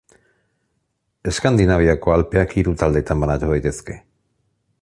Eskandinaviako Alpeak hiru taldetan banatu daitezke.